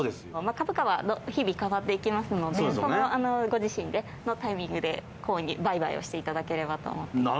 株価は日々変わっていきますのでご自身のタイミングで売買をしていただければと。